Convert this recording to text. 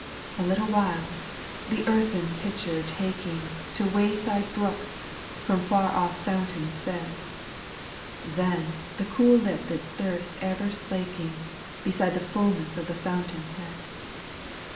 '*• 5. " A little while " the earthen pitcher taking To wayside brooks, from far off fountains fed; Then the cool lip its thirst for ever slaking, Beside the fulness of the fountain head.